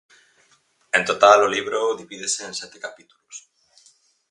En total, o libro divídese en sete capítulos.